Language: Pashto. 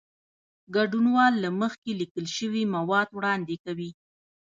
ګډونوال له مخکې لیکل شوي مواد وړاندې کوي.